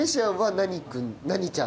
何ちゃん？